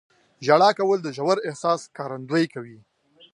• ژړا کول د ژور احساس ښکارندویي کوي.